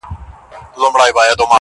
په یوه شپه به پردي سي شتمنۍ او نعمتونه،